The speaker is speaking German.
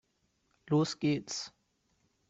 Los geht's!